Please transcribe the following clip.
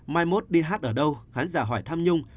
mai mốt đi hát ở đâu khán giả hỏi tham nhung